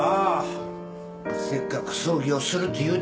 せっかく葬儀をするって言うてたのにもう。